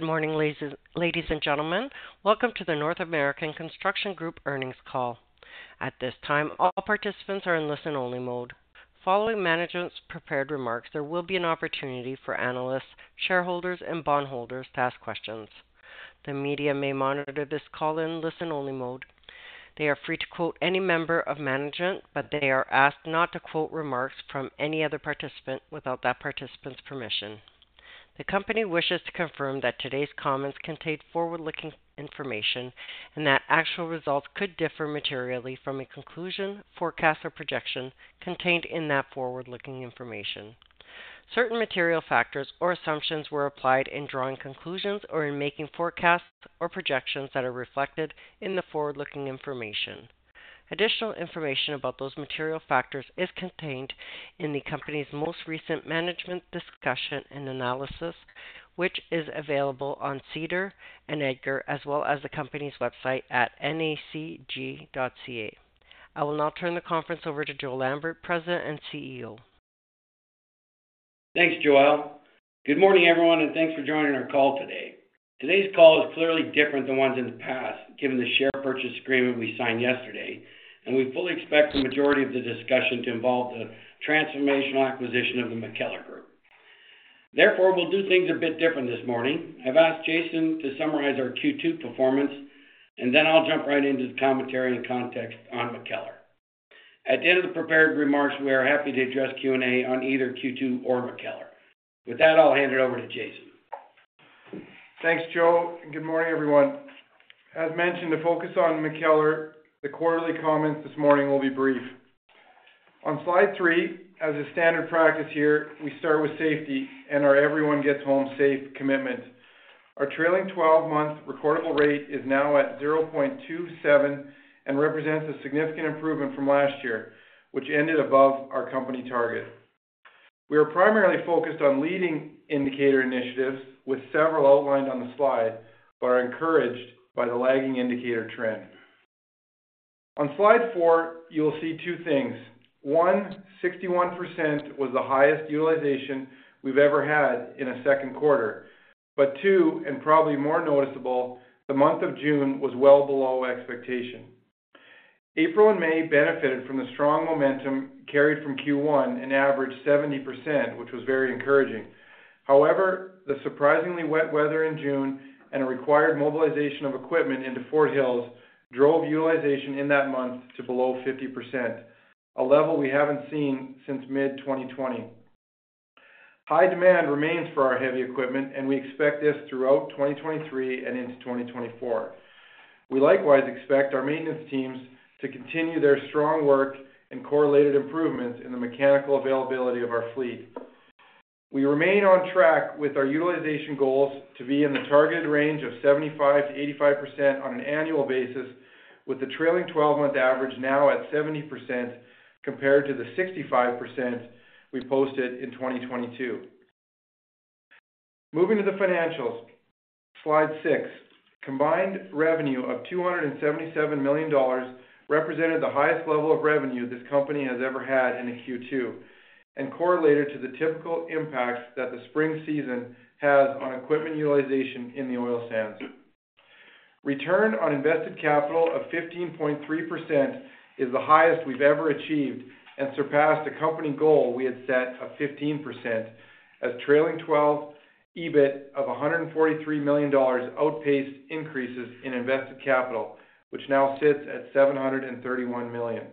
Good morning, ladies and gentlemen. Welcome to the North American Construction Group earnings call. At this time, all participants are in listen-only mode. Following management's prepared remarks, there will be an opportunity for analysts, shareholders, and bondholders to ask questions. The media may monitor this call in listen-only mode. They are free to quote any member of management, but they are asked not to quote remarks from any other participant without that participant's permission. The company wishes to confirm that today's comments contain forward-looking information and that actual results could differ materially from a conclusion, forecast, or projection contained in that forward-looking information. Certain material factors or assumptions were applied in drawing conclusions or in making forecasts or projections that are reflected in the forward-looking information. Additional information about those material factors is contained in the company's most recent management discussion and analysis, which is available on SEDAR and EDGAR, as well as the company's website at nacg.ca. I will now turn the conference over to Joe Lambert, President and CEO. Thanks, Joelle. Good morning, everyone, thanks for joining our call today. Today's call is clearly different than ones in the past, given the share purchase agreement we signed yesterday. We fully expect the majority of the discussion to involve the transformational acquisition of the MacKellar Group. Therefore, we'll do things a bit different this morning. I've asked Jason to summarize our Q2 performance. I'll jump right into the commentary and context on MacKellar. At the end of the prepared remarks, we are happy to address Q&A on either Q2 or MacKellar. With that, I'll hand it over to Jason. Thanks, Joe, and good morning, everyone. As mentioned, to focus on MacKellar, the quarterly comments this morning will be brief. On slide three, as a standard practice here, we start with safety and our Everyone Gets Home Safe commitment. Our trailing 12-month recordable rate is now at 0.27 and represents a significant improvement from last year, which ended above our company target. We are primarily focused on leading indicator initiatives, with several outlined on the slide, but are encouraged by the lagging indicator trend. On slide four, you will see two things. 1, 61% was the highest utilization we've ever had in a second quarter, but two, and probably more noticeable, the month of June was well below expectation. April and May benefited from the strong momentum carried from Q1 and averaged 70%, which was very encouraging. The surprisingly wet weather in June and a required mobilization of equipment into Fort Hills drove utilization in that month to below 50%, a level we haven't seen since mid-2020. High demand remains for our heavy equipment. We expect this throughout 2023 and into 2024. We likewise expect our maintenance teams to continue their strong work and correlated improvements in the mechanical availability of our fleet. We remain on track with our utilization goals to be in the targeted range of 75%-85% on an annual basis, with the trailing twelve-month average now at 70% compared to the 65% we posted in 2022. Moving to the financials. Slide six, combined revenue of 277 million dollars represented the highest level of revenue this company has ever had in a Q2 and correlated to the typical impacts that the spring season has on equipment utilization in the oil sands. Return on Invested Capital of 15.3% is the highest we've ever achieved and surpassed the company goal we had set of 15%, as trailing twelve EBIT of 143 million dollars outpaced increases in invested capital, which now sits at 731 million.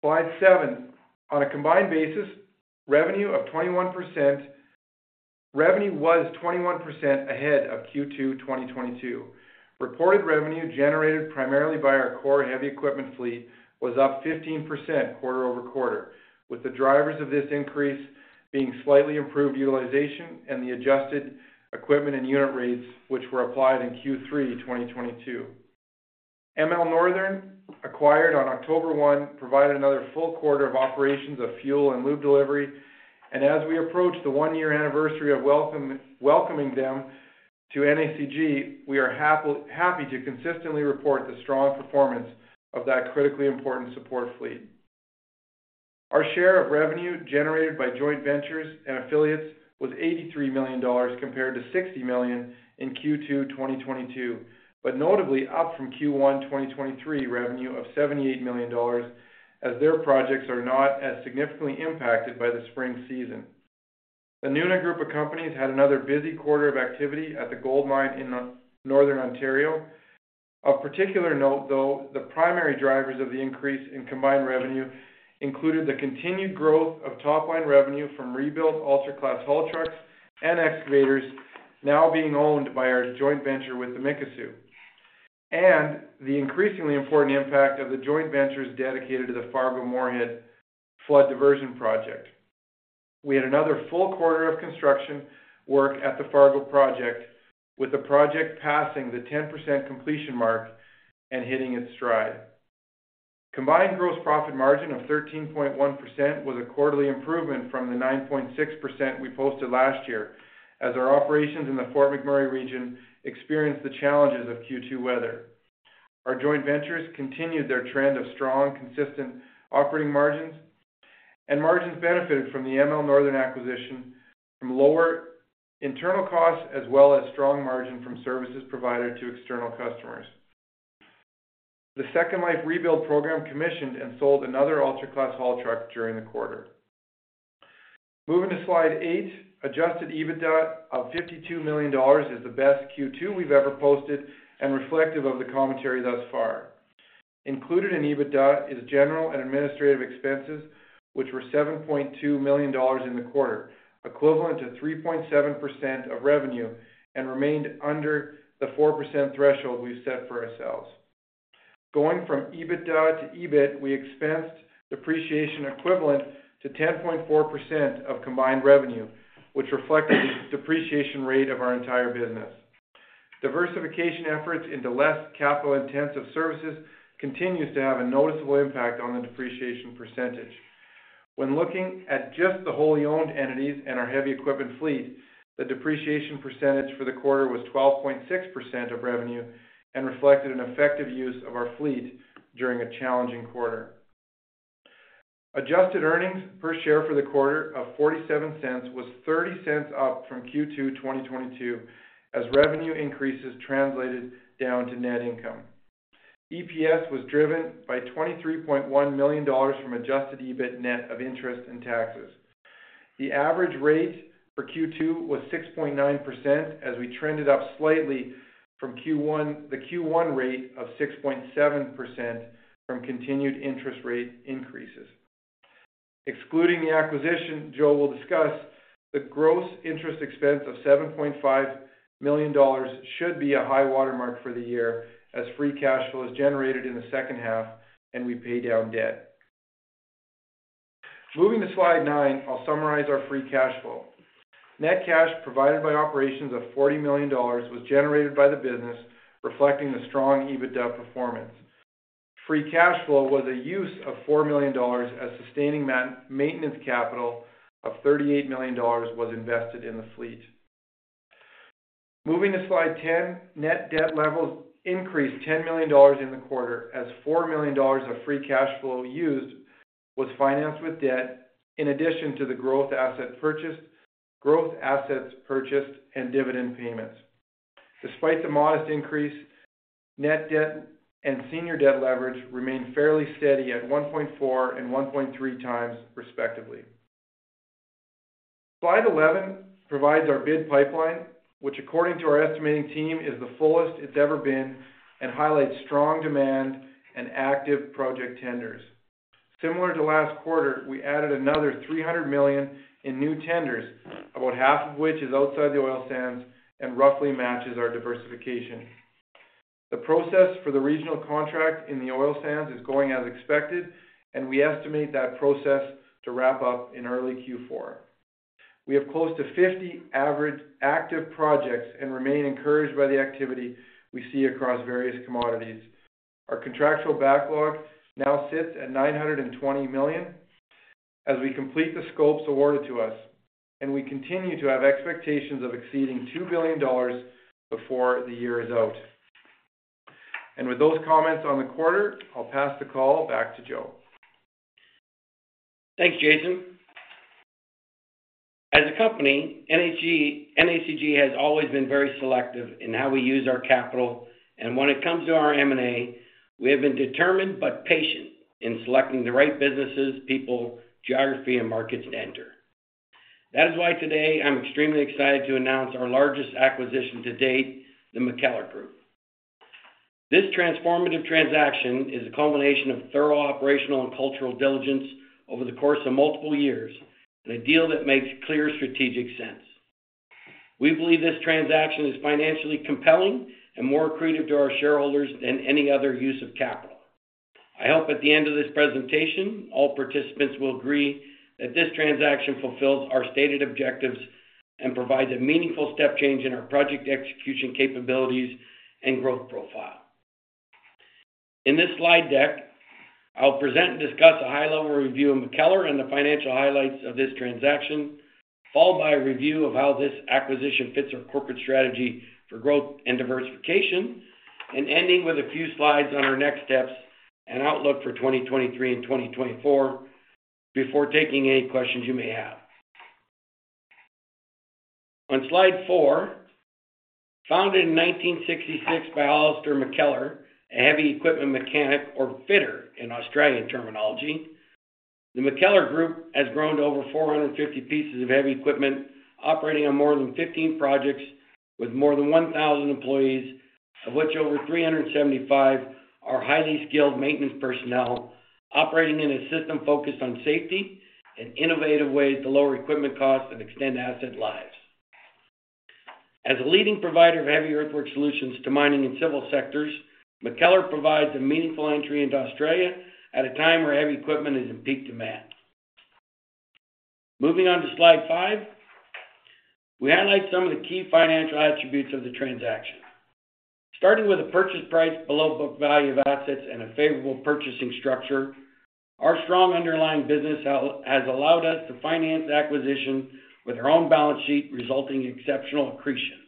Slide seven, on a combined basis, revenue was 21% ahead of Q2 2022. Reported revenue, generated primarily by our core heavy equipment fleet, was up 15% quarter-over-quarter, with the drivers of this increase being slightly improved utilization and the adjusted equipment and unit rates, which were applied in Q3 2022. ML Northern, acquired on 1 October provided another full quarter of operations of fuel and lube delivery. As we approach the one-year anniversary of welcoming them to NACG, we are happy to consistently report the strong performance of that critically important support fleet. Our share of revenue generated by joint ventures and affiliates was CAD $83 million, compared to CAD $60 million in Q2 2022, notably up from Q1 2023 revenue of CAD $78 million, as their projects are not as significantly impacted by the spring season. The Nuna Group of Companies had another busy quarter of activity at the gold mine in Northern Ontario. Of particular note, though, the primary drivers of the increase in combined revenue included the continued growth of top-line revenue from rebuilt ultra-class haul trucks and excavators now being owned by our joint venture with the Mikisew, and the increasingly important impact of the joint ventures dedicated to the Fargo-Moorhead Flood Diversion project. We had another full quarter of construction work at the Fargo project, with the project passing the 10% completion mark and hitting its stride. Combined gross profit margin of 13.1% was a quarterly improvement from the 9.6% we posted last year, as our operations in the Fort McMurray region experienced the challenges of Q2 weather. Our joint ventures continued their trend of strong, consistent operating margins and margins benefited from the ML Northern acquisition, from lower internal costs, as well as strong margin from services provided to external customers. The Second Life Rebuild program commissioned and sold another ultra-class haul truck during the quarter. Moving to slide 8, adjusted EBITDA of 52 million dollars is the best Q2 we've ever posted and reflective of the commentary thus far. Included in EBITDA is general and administrative expenses, which were 7.2 million dollars in the quarter, equivalent to 3.7% of revenue, and remained under the 4% threshold we've set for ourselves. Going from EBITDA to EBIT, we expensed depreciation equivalent to 10.4% of combined revenue, which reflected the depreciation rate of our entire business. Diversification efforts into less capital-intensive services continues to have a noticeable impact on the depreciation percentage. When looking at just the wholly owned entities and our heavy equipment fleet, the depreciation percentage for the quarter was 12.6% of revenue and reflected an effective use of our fleet during a challenging quarter. Adjusted EPS for the quarter of 0.47 was 0.30 up from Q2 2022, as revenue increases translated down to net income. EPS was driven by 23.1 million dollars from adjusted EBIT net of interest and taxes. The average rate for Q2 was 6.9%, as we trended up slightly from the Q1 rate of 6.7% from continued interest rate increases. Excluding the acquisition, Joe will discuss, the gross interest expense of 7.5 million dollars should be a high watermark for the year as free cash flow is generated in the second half and we pay down debt. Moving to slide nine, I'll summarize our free cash flow. Net cash provided by operations of 40 million dollars was generated by the business, reflecting the strong EBITDA performance. Free cash flow was a use of 4 million dollars, as sustaining maintenance capital of 38 million dollars was invested in the fleet. Moving to slide 10, net debt levels increased 10 million dollars in the quarter, as 4 million dollars of free cash flow used was financed with debt in addition to the growth assets purchased and dividend payments. Despite the modest increase, net debt and senior debt leverage remained fairly steady at 1.4 and 1.3 times, respectively. Slide 11 provides our bid pipeline, which according to our estimating team, is the fullest it's ever been and highlights strong demand and active project tenders. Similar to last quarter, we added another 300 million in new tenders, about half of which is outside the oil sands and roughly matches our diversification. The process for the regional contract in the oil sands is going as expected, and we estimate that process to wrap up in early Q4. We have close to 50 average active projects and remain encouraged by the activity we see across various commodities. Our contractual backlog now sits at 920 million as we complete the scopes awarded to us, and we continue to have expectations of exceeding 2 billion dollars before the year is out. With those comments on the quarter, I'll pass the call back to Joe. Thanks, Jason. As a company, NACG has always been very selective in how we use our capital, and when it comes to our M&A, we have been determined but patient in selecting the right businesses, people, geography, and markets to enter. That is why today, I'm extremely excited to announce our largest acquisition to date, the MacKellar Group. This transformative transaction is a culmination of thorough operational and cultural diligence over the course of multiple years, and a deal that makes clear strategic sense. We believe this transaction is financially compelling and more accretive to our shareholders than any other use of capital. I hope at the end of this presentation, all participants will agree that this transaction fulfills our stated objectives and provides a meaningful step change in our project execution capabilities and growth profile. In this slide deck, I'll present and discuss a high-level review of MacKellar and the financial highlights of this transaction, followed by a review of how this acquisition fits our corporate strategy for growth and diversification, and ending with a few slides on our next steps and outlook for 2023 and 2024, before taking any questions you may have. On slide four, founded in 1966 by Alastair MacKellar, a heavy equipment mechanic or fitter in Australian terminology, the MacKellar Group has grown to over 450 pieces of heavy equipment, operating on more than 15 projects with more than 1,000 employees, of which over 375 are highly skilled maintenance personnel operating in a system focused on safety and innovative ways to lower equipment costs and extend asset lives. As a leading provider of heavy earthwork solutions to mining and civil sectors, MacKellar provides a meaningful entry into Australia at a time where heavy equipment is in peak demand. Moving on to slide five, we highlight some of the key financial attributes of the transaction. Starting with a purchase price below book value of assets and a favorable purchasing structure, our strong underlying business has allowed us to finance the acquisition with our own balance sheet, resulting in exceptional accretion.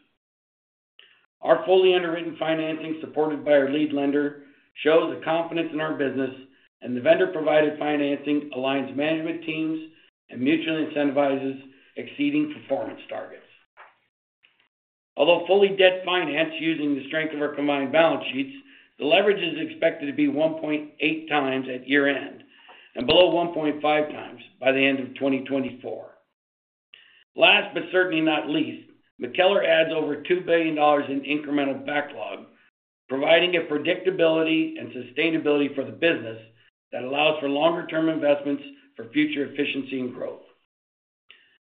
Our fully underwritten financing, supported by our lead lender, shows a confidence in our business, and the vendor-provided financing aligns management teams and mutually incentivizes exceeding performance targets. Although fully debt-financed using the strength of our combined balance sheets, the leverage is expected to be 1.8 times at year-end, and below 1.5 times by the end of 2024. Last, but certainly not least, MacKellar adds over 2 billion dollars in incremental backlog, providing a predictability and sustainability for the business that allows for longer-term investments for future efficiency and growth.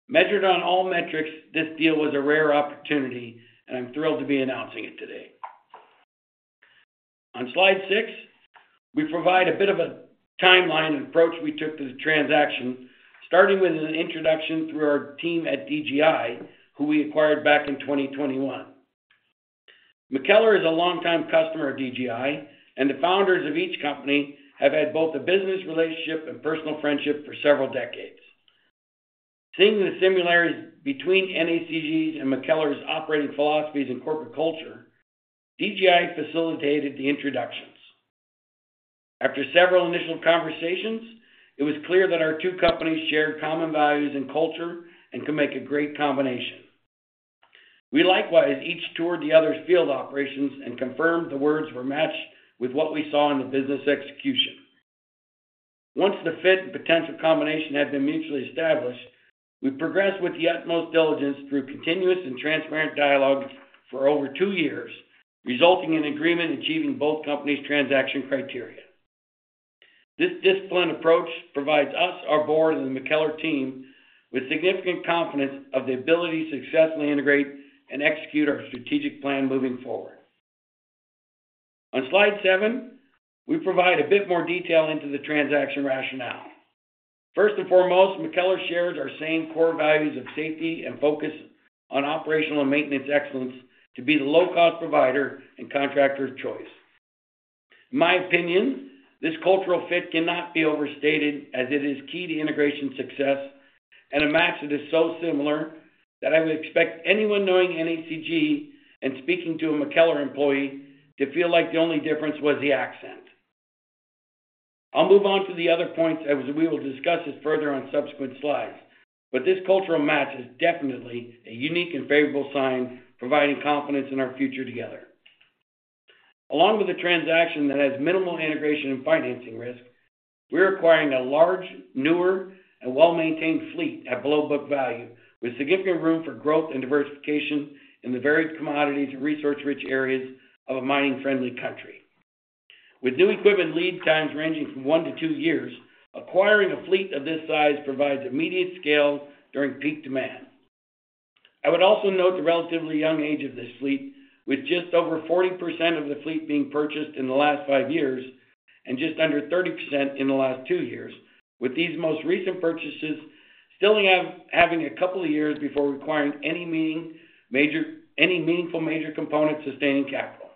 Measured on all metrics, this deal was a rare opportunity, and I'm thrilled to be announcing it today. On slide six, we provide a bit of a timeline and approach we took to the transaction, starting with an introduction through our team at DGI, who we acquired back in 2021. MacKellar is a longtime customer of DGI, and the founders of each company have had both a business relationship and personal friendship for several decades. Seeing the similarities between NACG's and MacKellar's operating philosophies and corporate culture, DGI facilitated the introductions. After several initial conversations, it was clear that our two companies shared common values and culture and could make a great combination. We likewise each toured the other's field operations and confirmed the words were matched with what we saw in the business execution. Once the fit and potential combination had been mutually established, we progressed with the utmost diligence through continuous and transparent dialogue for over two years, resulting in agreement achieving both companies' transaction criteria. This disciplined approach provides us, our board, and the MacKellar team with significant confidence of the ability to successfully integrate and execute our strategic plan moving forward. On slide seven, we provide a bit more detail into the transaction rationale. First and foremost, MacKellar shares our same core values of safety and focus on operational and maintenance excellence to be the low-cost provider and contractor of choice. In my opinion, this cultural fit cannot be overstated, as it is key to integration success and a match that is so similar, that I would expect anyone knowing NACG and speaking to a MacKellar employee to feel like the only difference was the accent. I'll move on to the other points, as we will discuss this further on subsequent slides, but this cultural match is definitely a unique and favorable sign, providing confidence in our future together. Along with a transaction that has minimal integration and financing risk, we're acquiring a large, newer, and well-maintained fleet at below book value, with significant room for growth and diversification in the various commodities and resource-rich areas of a mining-friendly country. With new equipment lead times ranging from one-two years, acquiring a fleet of this size provides immediate scale during peak demand. I would also note the relatively young age of this fleet, with just over 40% of the fleet being purchased in the last five years and just under 30% in the last two years, with these most recent purchases still having a couple of years before requiring any meaningful major component, sustaining capital.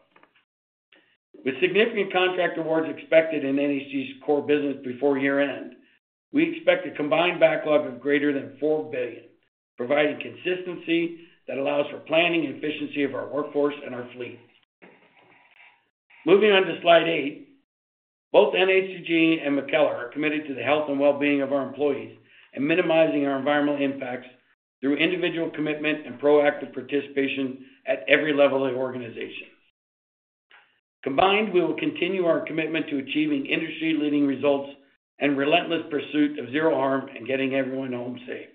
With significant contract awards expected in NACG's core business before year-end, we expect a combined backlog of greater than 4 billion, providing consistency that allows for planning and efficiency of our workforce and our fleet. Moving on to slide eight. Both NACG and MacKellar are committed to the health and well-being of our employees and minimizing our environmental impacts through individual commitment and proactive participation at every level of the organization. Combined, we will continue our commitment to achieving industry-leading results and relentless pursuit of zero harm in getting everyone home safe.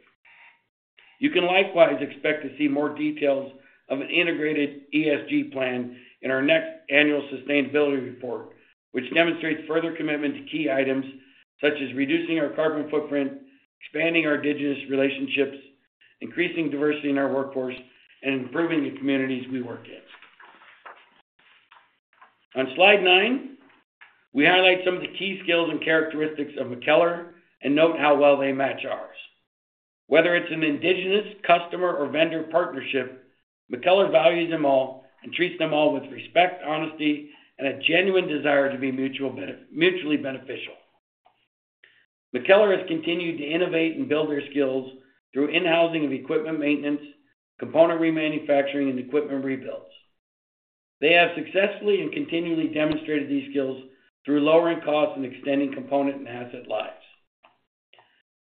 You can likewise expect to see more details of an integrated ESG plan in our next annual sustainability report, which demonstrates further commitment to key items such as reducing our carbon footprint, expanding our indigenous relationships, increasing diversity in our workforce, and improving the communities we work in. On slide nine, we highlight some of the key skills and characteristics of MacKellar and note how well they match ours. Whether it's an indigenous customer or vendor partnership, MacKellar values them all and treats them all with respect, honesty, and a genuine desire to be mutually beneficial. MacKellar has continued to innovate and build their skills through in-housing of equipment maintenance, component remanufacturing, and equipment rebuilds. They have successfully and continually demonstrated these skills through lowering costs and extending component and asset lives.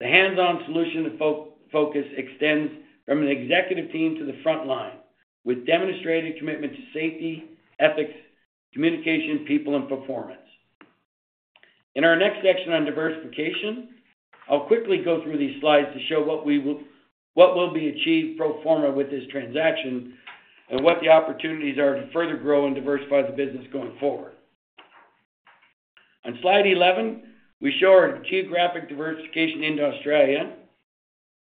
The hands-on solution and focus extends from an executive team to the front line, with demonstrated commitment to safety, ethics, communication, people, and performance. In our next section on diversification, I'll quickly go through these slides to show what will be achieved pro forma with this transaction and what the opportunities are to further grow and diversify the business going forward. On slide 11, we show our geographic diversification into Australia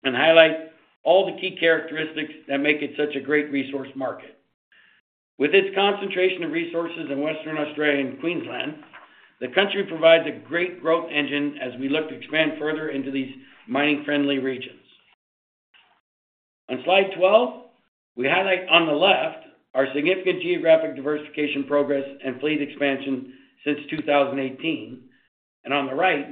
and highlight all the key characteristics that make it such a great resource market. With its concentration of resources in Western Australia and Queensland, the country provides a great growth engine as we look to expand further into these mining-friendly regions. On slide 12, we highlight on the left our significant geographic diversification progress and fleet expansion since 2018. On the right,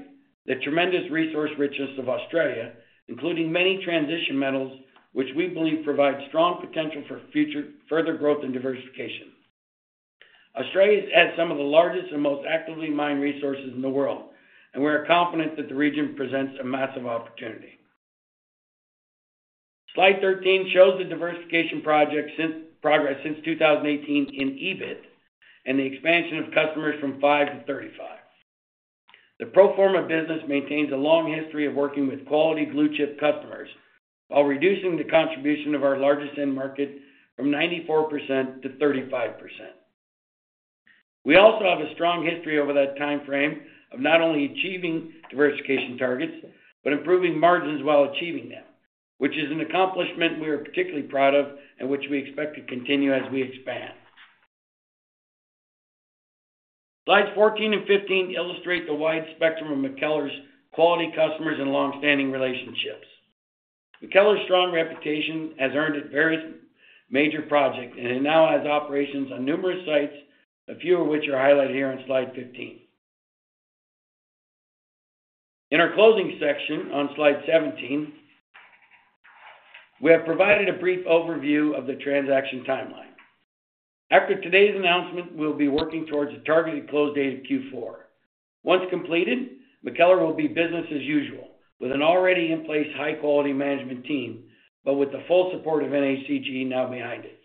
the tremendous resource richness of Australia, including many transition metals, which we believe provide strong potential for future, further growth and diversification. Australia has some of the largest and most actively mined resources in the world. We are confident that the region presents a massive opportunity. Slide 13 shows the diversification progress since 2018 in EBIT and the expansion of customers from five to 35. The pro forma business maintains a long history of working with quality blue-chip customers, while reducing the contribution of our largest end market from 94% to 35%. We also have a strong history over that time frame of not only achieving diversification targets, but improving margins while achieving them, which is an accomplishment we are particularly proud of and which we expect to continue as we expand. Slides 14 and 15 illustrate the wide spectrum of MacKellar's quality customers and long-standing relationships. MacKellar's strong reputation has earned it various major projects, and it now has operations on numerous sites, a few of which are highlighted here on slide 15. In our closing section on slide 17, we have provided a brief overview of the transaction timeline. After today's announcement, we'll be working towards a targeted close date of Q4. Once completed, MacKellar will be business as usual, with an already in place, high-quality management team, but with the full support of NACG now behind it.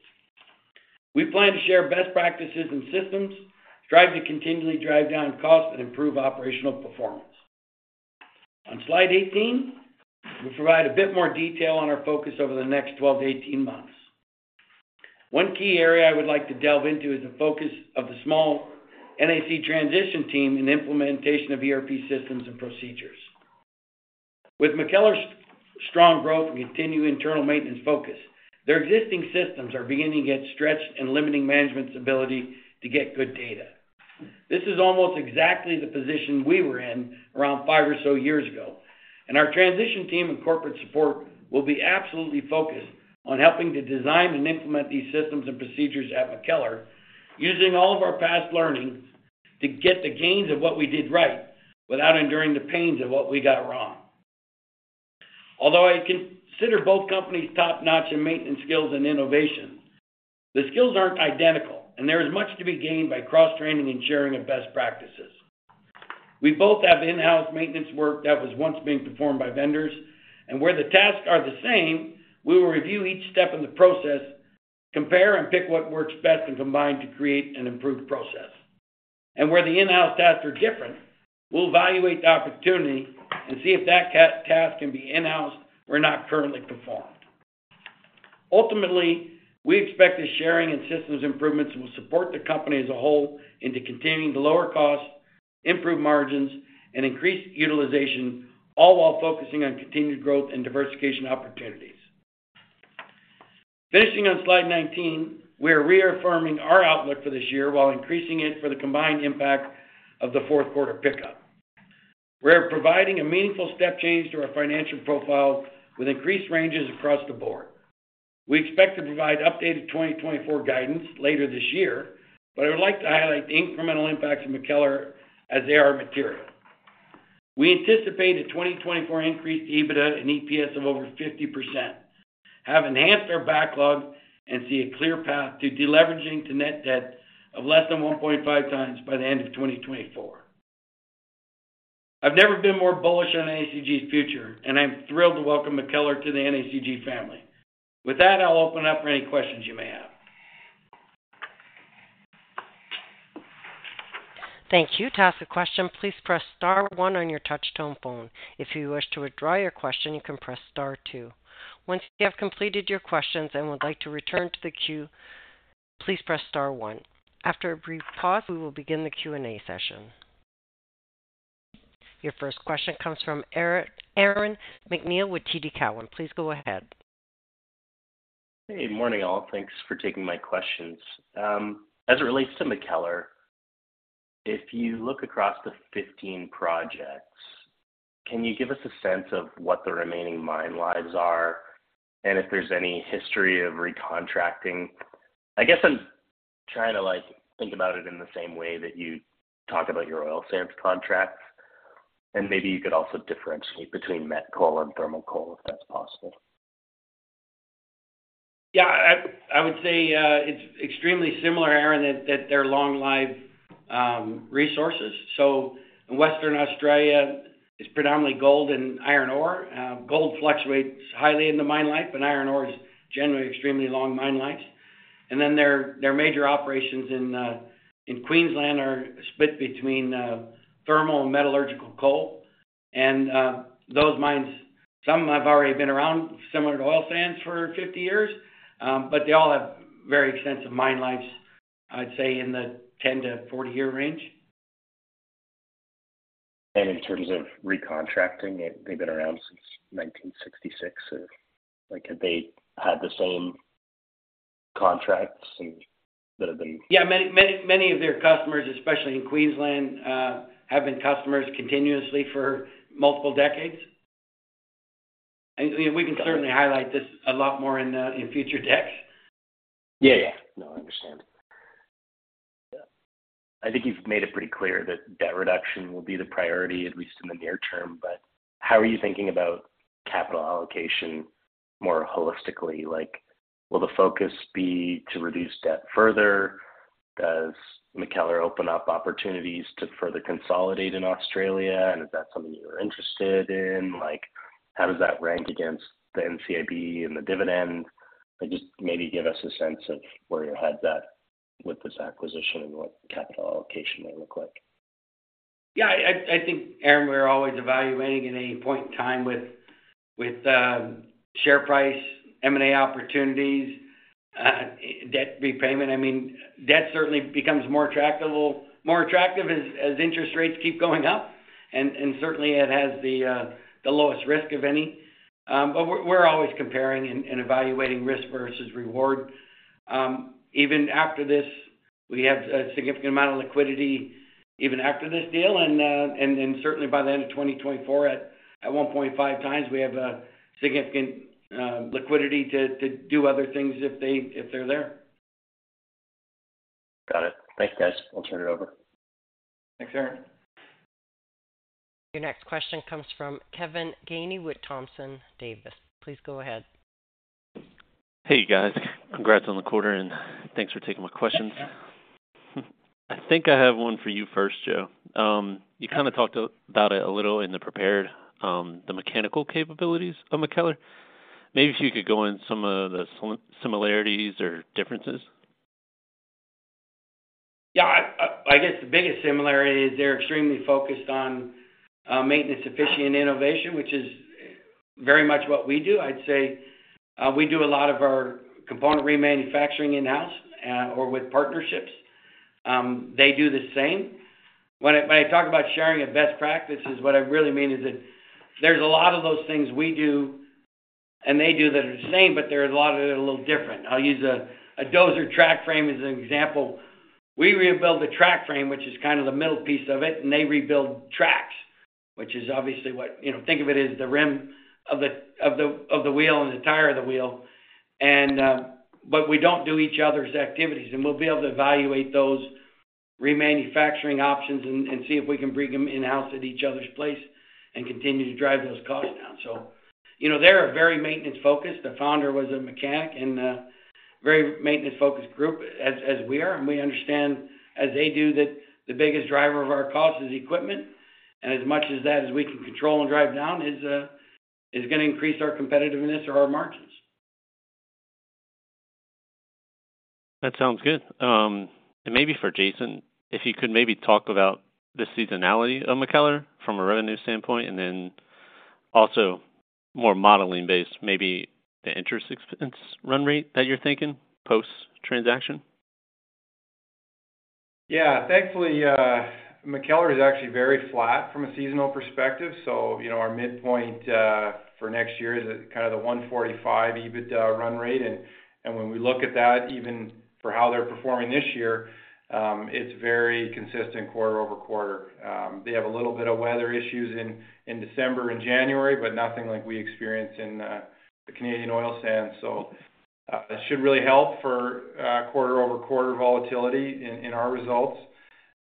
We plan to share best practices and systems, strive to continually drive down costs and improve operational performance. On Slide 18, we provide a bit more detail on our focus over the next 12-18 months. One key area I would like to delve into is the focus of the small NACG transition team and implementation of ERP systems and procedures. With MacKellar's strong growth and continued internal maintenance focus, their existing systems are beginning to get stretched and limiting management's ability to get good data. This is almost exactly the position we were in around five or so years ago, and our transition team and corporate support will be absolutely focused on helping to design and implement these systems and procedures at MacKellar, using all of our past learnings to get the gains of what we did right, without enduring the pains of what we got wrong. Although I consider both companies top-notch in maintenance skills and innovation, the skills aren't identical, and there is much to be gained by cross-training and sharing of best practices. We both have in-house maintenance work that was once being performed by vendors, and where the tasks are the same, we will review each step in the process, compare and pick what works best, and combine to create an improved process. Where the in-house tasks are different, we'll evaluate the opportunity and see if that task can be in-house or not currently performed. Ultimately, we expect the sharing and systems improvements will support the company as a whole into continuing to lower costs, improve margins, and increase utilization, all while focusing on continued growth and diversification opportunities. Finishing on slide 19, we are reaffirming our outlook for this year while increasing it for the combined impact of the fourth quarter pickup. We are providing a meaningful step change to our financial profile with increased ranges across the board. We expect to provide updated 2024 guidance later this year. I would like to highlight the incremental impacts of MacKellar as they are material. We anticipate a 2024 increase to EBITDA and EPS of over 50%, have enhanced our backlog, and see a clear path to deleveraging to net debt of less than 1.5 times by the end of 2024. I've never been more bullish on NACG's future. I'm thrilled to welcome MacKellar to the NACG family. With that, I'll open up for any questions you may have. Thank you. To ask a question, please press star one on your touch-tone phone. If you wish to withdraw your question, you can press star two. Once you have completed your questions and would like to return to the queue, please press star one. After a brief pause, we will begin the Q&A session. Your first question comes from Aaron MacNeil with TD Cowen. Please go ahead. Hey, morning, all. Thanks for taking my questions. As it relates to MacKellar, if you look across the 15 projects, can you give us a sense of what the remaining mine lives are, and if there's any history of recontracting? I guess I'm trying to, like, think about it in the same way that you talk about your oil sands contracts, and maybe you could also differentiate between met coal and thermal coal, if that's possible. Yeah, I would say, it's extremely similar, Aaron, that they're long-life resources. Western Australia is predominantly gold and iron ore. Gold fluctuates highly in the mine life, but iron ore is generally extremely long mine life. Their major operations in Queensland are split between thermal and metallurgical coal. Those mines, some have already been around, similar to oil sands, for 50 years. They all have very extensive mine lives, I'd say, in the 10-40 year range. In terms of recontracting, they've been around since 1966. Have they had the same contracts? Yeah, many of their customers, especially in Queensland, have been customers continuously for multiple decades. We can certainly highlight this a lot more in future decks. Yeah, yeah. No, I understand. Yeah. I think you've made it pretty clear that debt reduction will be the priority, at least in the near term, but how are you thinking about capital allocation more holistically? Like, will the focus be to reduce debt further? Does MacKellar open up opportunities to further consolidate in Australia, and is that something you are interested in? Like, how does that rank against the NCIB and the dividend? Like, just maybe give us a sense of where your head's at with this acquisition and what capital allocation will look like. I think, Aaron, we're always evaluating at any point in time with share price, M&A opportunities, debt repayment. I mean, debt certainly becomes more attractive as interest rates keep going up, and certainly it has the lowest risk of any. But we're always comparing and evaluating risk versus reward. Even after this, we have a significant amount of liquidity, even after this deal, and certainly by the end of 2024, at 1.5 times, we have a significant liquidity to do other things if they're there. Got it. Thanks, guys. I'll turn it over. Thanks, Aaron. Your next question comes from Kevin Gainey with Thompson Davis. Please go ahead. Hey, you guys. Congrats on the quarter. Thanks for taking my questions. I think I have one for you first, Joe. You kind of talked about it a little in the prepared, the mechanical capabilities of MacKellar. Maybe if you could go in some of the similarities or differences. Yeah, I guess the biggest similarity is they're extremely focused on maintenance efficient innovation, which is very much what we do. I'd say, we do a lot of our component remanufacturing in-house or with partnerships. They do the same. When I talk about sharing a best practice, is what I really mean is that there's a lot of those things we do and they do that are the same, but there are a lot of it a little different. I'll use a dozer track frame as an example. We rebuild the track frame, which is kind of the middle piece of it, and they rebuild tracks, which is obviously what. You know, think of it as the rim of the wheel and the tire of the wheel. We don't do each other's activities, and we'll be able to evaluate those remanufacturing options and see if we can bring them in-house at each other's place and continue to drive those costs down. You know, they're very maintenance-focused. The founder was a mechanic and a very maintenance-focused group, as we are, and we understand, as they do, that the biggest driver of our costs is equipment. As much as that as we can control and drive down is gonna increase our competitiveness or our margins. That sounds good. Maybe for Jason, if you could maybe talk about the seasonality of MacKellar from a revenue standpoint, and then also more modeling based, maybe the interest expense run rate that you're thinking post-transaction? Yeah. Thankfully, MacKellar is actually very flat from a seasonal perspective. You know, our midpoint for next year is kind of the 145 EBITDA run rate. When we look at that, even for how they're performing this year, it's very consistent quarter-over-quarter. They have a little bit of weather issues in December and January, but nothing like we experienced in the Canadian oil sands. That should really help for quarter-over-quarter volatility in our results.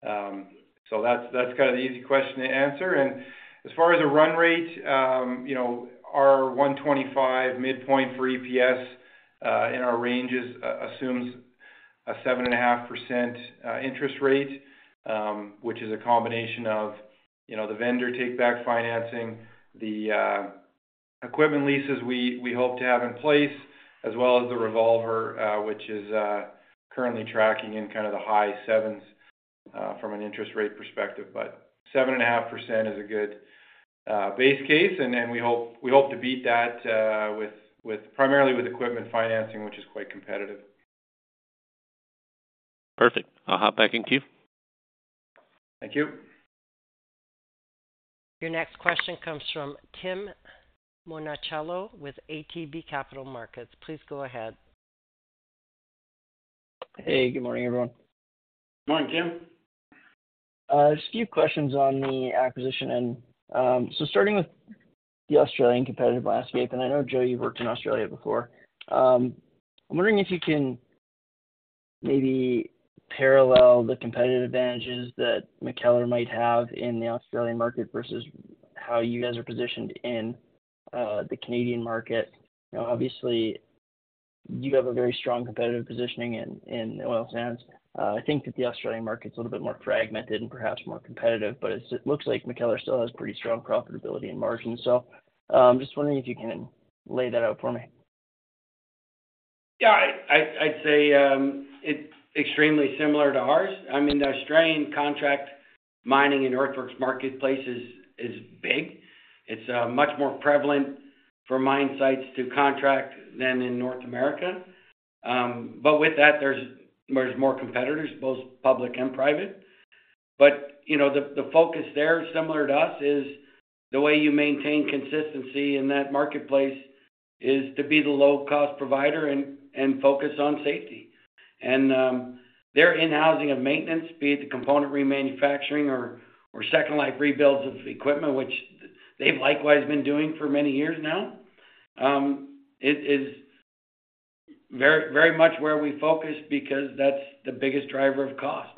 That's kind of the easy question to answer. As far as the run rate, you know, our 1.25 midpoint for EPS in our ranges assumes a 7.5% interest rate, which is a combination of, you know, the vendor takeback financing, the equipment leases we hope to have in place, as well as the revolver, which is currently tracking in kind of the high 7s from an interest rate perspective. 7.5% is a good base case, and then we hope to beat that with primarily with equipment financing, which is quite competitive. Perfect. I'll hop back into queue. Thank you. Your next question comes from Tim Monachello with ATB Capital Markets. Please go ahead. Hey, good morning, everyone. Good morning, Tim. Just a few questions on the acquisition. Starting with the Australian competitive landscape, I know, Joe, you've worked in Australia before. I'm wondering if you can maybe parallel the competitive advantages that MacKellar might have in the Australian market versus how you guys are positioned in the Canadian market. You know, obviously, you have a very strong competitive positioning in oil sands. I think that the Australian market is a little bit more fragmented and perhaps more competitive, but it looks like MacKellar still has pretty strong profitability and margins. Just wondering if you can lay that out for me. Yeah, I'd say it's extremely similar to ours. I mean, the Australian contract mining and earthworks marketplace is big. It's much more prevalent for mine sites to contract than in North America. With that, there's more competitors, both public and private. You know, the focus there, similar to us, is the way you maintain consistency in that marketplace is to be the low-cost provider and focus on safety. Their in-housing of maintenance, be it the component remanufacturing or Second Life Rebuilds of equipment, which they've likewise been doing for many years now, it is very much where we focus because that's the biggest driver of cost.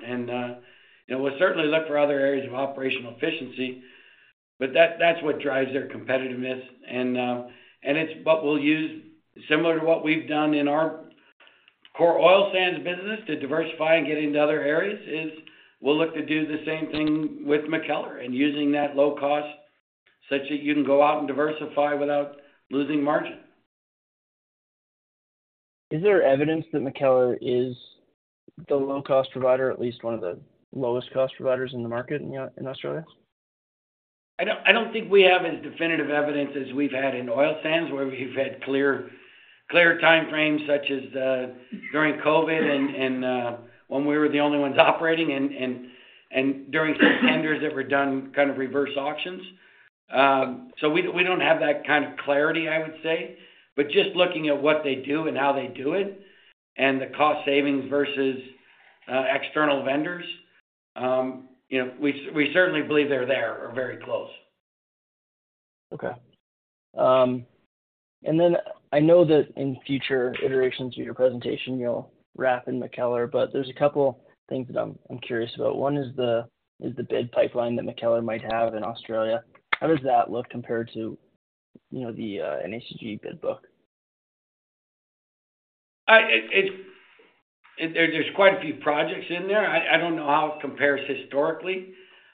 You know, we'll certainly look for other areas of operational efficiency, that's what drives their competitiveness. It's what we'll use. Similar to what we've done in our core oil sands business to diversify and get into other areas is, we'll look to do the same thing with MacKellar and using that low cost such that you can go out and diversify without losing margin. Is there evidence that MacKellar is the low-cost provider, at least one of the lowest cost providers in the market in Australia? I don't think we have as definitive evidence as we've had in oil sands, where we've had clear time frames, such as during COVID and when we were the only ones operating, and during some tenders that were done kind of reverse auctions. We don't have that kind of clarity, I would say. Just looking at what they do and how they do it, and the cost savings versus external vendors, you know, we certainly believe they're there or very close. Okay. I know that in future iterations of your presentation, you'll wrap in MacKellar, but there's a couple things that I'm curious about. One is the bid pipeline that MacKellar might have in Australia. How does that look compared to, you know, the NACG bid book? There's quite a few projects in there. I don't know how it compares historically.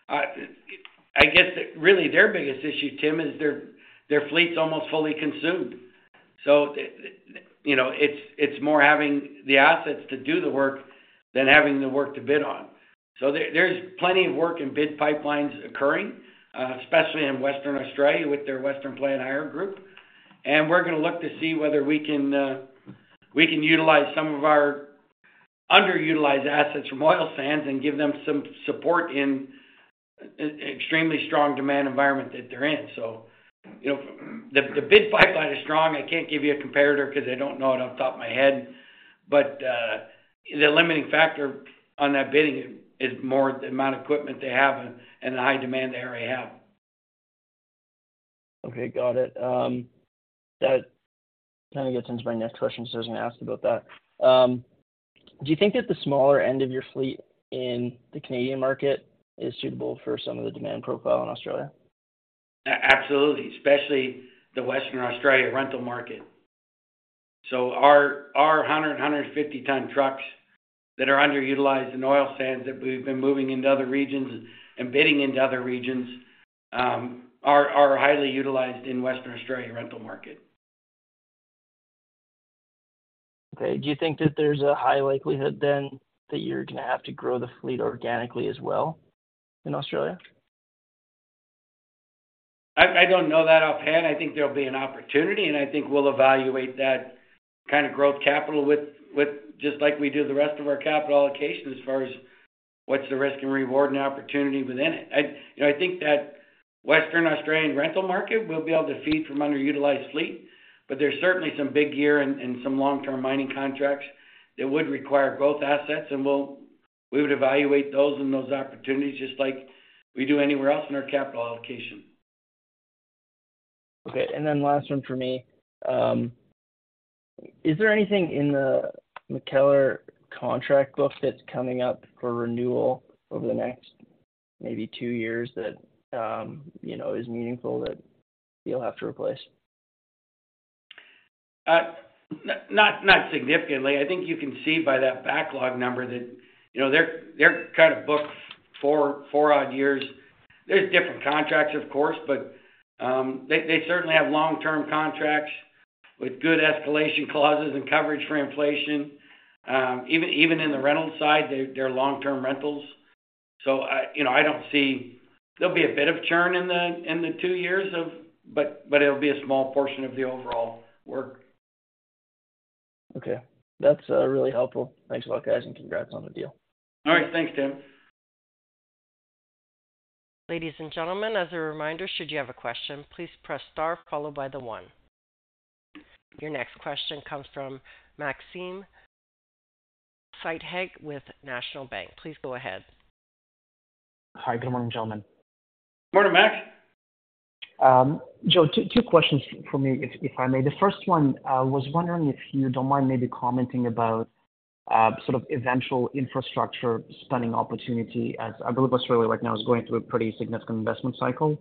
I guess that really their biggest issue, Tim, is their fleet's almost fully consumed. You know, it's more having the assets to do the work than having the work to bid on. There's plenty of work and bid pipelines occurring, especially in Western Australia with their Western Plant Hire group. We're gonna look to see whether we can utilize some of our underutilized assets from oil sands and give them some support in extremely strong demand environment that they're in. You know, the bid pipeline is strong. I can't give you a comparator 'cause I don't know it off the top of my head. The limiting factor on that bidding is more the amount of equipment they have and the high demand they already have. Okay, got it. That kind of gets into my next question, I was gonna ask about that. Do you think that the smaller end of your fleet in the Canadian market is suitable for some of the demand profile in Australia? Absolutely, especially the Western Australia rental market. Our 150 ton trucks that are underutilized in oil sands, that we've been moving into other regions and bidding into other regions, are highly utilized in Western Australia rental market. Okay. Do you think that there's a high likelihood then, that you're gonna have to grow the fleet organically as well in Australia? I don't know that offhand. I think there'll be an opportunity, and I think we'll evaluate that kind of growth capital with just like we do the rest of our capital allocation, as far as what's the risk and reward and opportunity within it. You know, I think that Western Australian rental market, we'll be able to feed from underutilized fleet, but there's certainly some big gear and some long-term mining contracts that would require both assets, and we would evaluate those opportunities just like we do anywhere else in our capital allocation. Okay, last one for me. Is there anything in the MacKellar contract book that's coming up for renewal over the next maybe two years that, you know, is meaningful that you'll have to replace? Not significantly. I think you can see by that backlog number that, you know, they're kind of booked four odd years. There's different contracts, of course, but they certainly have long-term contracts with good escalation clauses and coverage for inflation. Even in the rental side, they're long-term rentals. I, you know, I don't see. There'll be a bit of churn in the two years of, but it'll be a small portion of the overall work. Okay. That's really helpful. Thanks a lot, guys, and congrats on the deal. All right. Thanks, Tim. Ladies and gentlemen, as a reminder, should you have a question, please press star followed by the one. Your next question comes from Maxim Sytchev with National Bank. Please go ahead. Hi, good morning, gentlemen. Good morning, Max. Joe, two questions from me, if I may. The first one, I was wondering if you don't mind maybe commenting about sort of eventual infrastructure spending opportunity, as I believe Australia right now is going through a pretty significant investment cycle.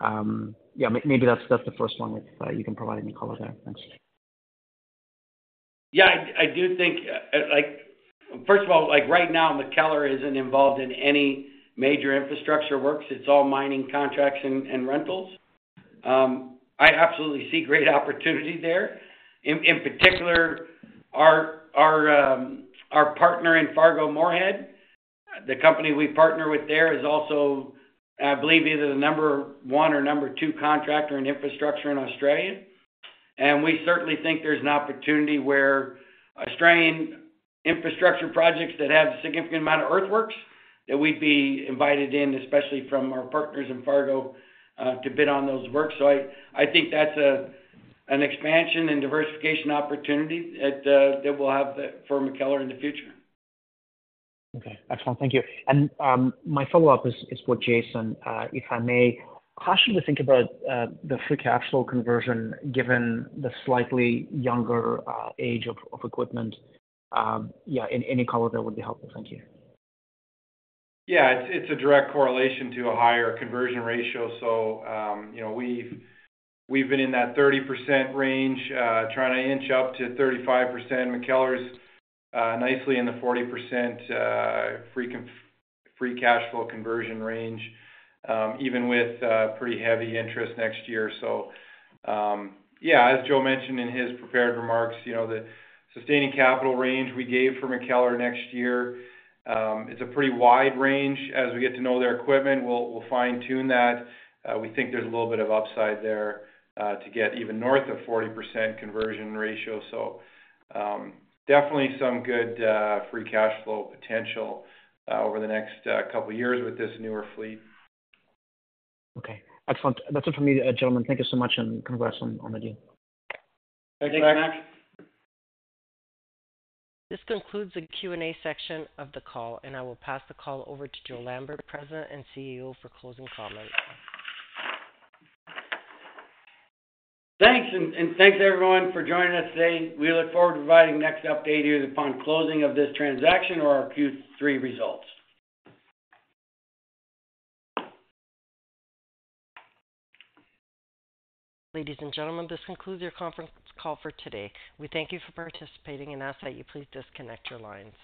Yeah, maybe that's the first one, if you can provide any color there. Thanks. Yeah, I do think, like, first of all, like, right now, MacKellar isn't involved in any major infrastructure works. It's all mining contracts and rentals. I absolutely see great opportunity there. In particular, our partner in Fargo-Moorhead, the company we partner with there, is also, I believe, either the number one or number two contractor in infrastructure in Australia. We certainly think there's an opportunity where Australian infrastructure projects that have a significant amount of earthworks, that we'd be invited in, especially from our partners in Fargo, to bid on those works. I think that's an expansion and diversification opportunity at that we'll have for MacKellar in the future. Okay, excellent. Thank you. My follow-up is for Jason. If I may, how should we think about the free cash flow conversion given the slightly younger age of equipment? Yeah, any color there would be helpful. Thank you. Yeah, it's a direct correlation to a higher conversion ratio. You know, we've been in that 30% range, trying to inch up to 35%. MacKellar is nicely in the 40% free cash flow conversion range, even with pretty heavy interest next year. Yeah, as Joe mentioned in his prepared remarks, you know, the sustaining capital range we gave for MacKellar next year, it's a pretty wide range. As we get to know their equipment, we'll fine-tune that. We think there's a little bit of upside there, to get even north of 40% conversion ratio. Definitely some good free cash flow potential over the next couple of years with this newer fleet. Okay, excellent. That's it for me, gentlemen. Thank you so much, and congrats on the deal. Thanks, Max. This concludes the Q&A section of the call, and I will pass the call over to Joe Lambert, President and CEO, for closing comments. Thanks, and thanks, everyone, for joining us today. We look forward to providing next update to you upon closing of this transaction or our Q3 results. Ladies and gentlemen, this concludes your conference call for today. We thank you for participating and ask that you please disconnect your lines.